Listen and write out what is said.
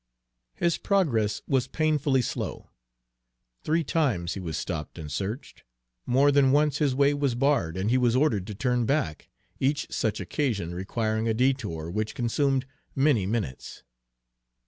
His progress was painfully slow. Three times he was stopped and searched. More than once his way was barred, and he was ordered to turn back, each such occasion requiring a detour which consumed many minutes.